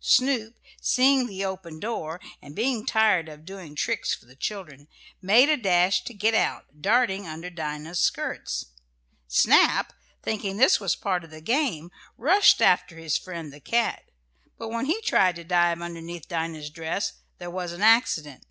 Snoop, seeing the open door, and being tired of doing tricks for the children, made a dash to get out, darting under Dinah's skirts. Snap, thinking this was part of the game, rushed after his friend the cat, but when he tried to dive underneath Dinah's dress there was an accident.